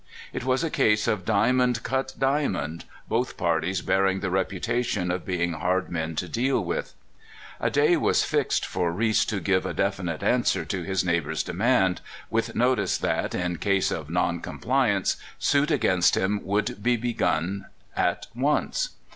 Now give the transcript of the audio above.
It was a case of diamond cut diamond, both parties bearing the reputation of being hard men to deal with. A day was fixed for Reese to give a definite answer to his neighbor's demand, with notice that, in case of noncompliance, suit against him would be begun at once.